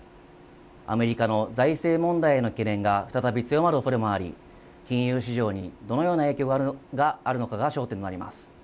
アメリカの財政問題への懸念が再び強まるおそれもあり金融市場にどのような影響があるのかが焦点になります。